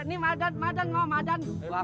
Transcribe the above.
ini madat madan mau madan